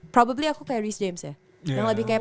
probably aku kayak rhys james ya yang lebih kayak